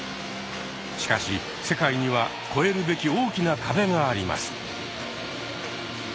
しかし世界には越えるべき大きな壁があります。